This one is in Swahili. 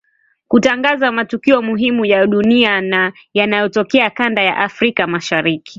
kutangaza matukio muhimu ya dunia na yanayotokea kanda ya Afrika Mashariki